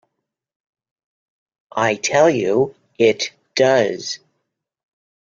I tell you it does.